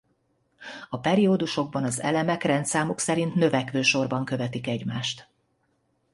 A periódusokban az elemek rendszámuk szerint növekvő sorban követik egymást.